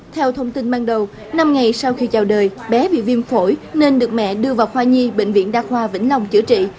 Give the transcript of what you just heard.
theo thông tin ban đầu năm ngày sau khi chào đời bé bị viêm phổi nên được mẹ đưa vào khoa nhi bệnh viện đa khoa vĩnh long chữa trị